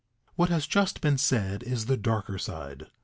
_ What has just been said is the darker side.